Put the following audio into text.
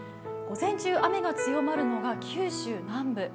午前中、雨が強まるのが九州南部。